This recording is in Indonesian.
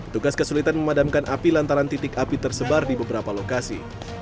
tugas kesulitan memadamkan api lantaran titik api tersebar di beberapa lokasi